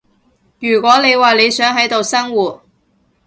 如果你話你想喺度生活